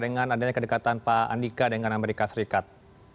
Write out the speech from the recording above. dengan adanya kedekatan pak andika dengan amerika serikat